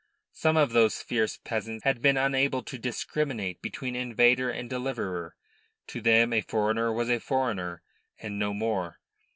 Some of those fierce peasants had been unable to discriminate between invader and deliverer; to them a foreigner was a foreigner and no more.